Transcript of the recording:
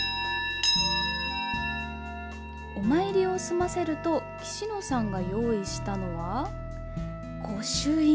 お参りを済ませると岸野さんが用意したのは御朱印。